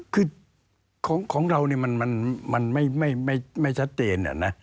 คือของเรามันไม่ชัดเจน